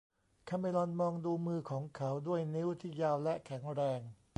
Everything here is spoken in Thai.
คาเมรอนมองดูมือของเขาด้วยนิ้วที่ยาวและแข็งแรง